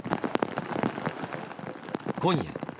今夜。